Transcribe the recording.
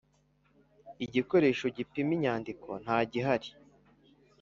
Igikoresho gipima inyandiko ntagihari.